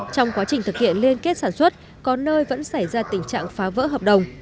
trong quá trình thực hiện liên kết sản xuất có nơi vẫn xảy ra tình trạng phá vỡ hợp đồng